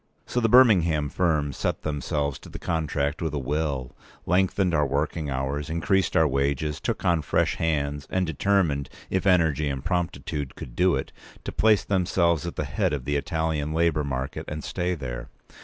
So the Birmingham firm set themselves to the contract with a will, lengthened our working hours, increased our wages, took on fresh hands, and determined, if energy and promptitude could do it, to place themselves at the head of the Italian labour market, and stay there.